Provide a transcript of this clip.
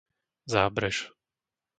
Zábrež